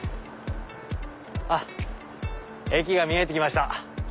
あっ駅が見えて来ました。